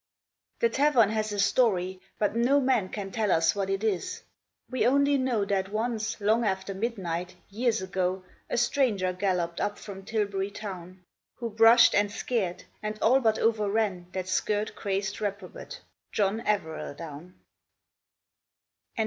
The Tavern has a story, but no man Can tell us what it is. We only know That once long after midnight, years ago, A stranger galloped up from Tilbury Town, Who brushed, and scared, and all but overran That skirt crazed reprobate, John Evereldown.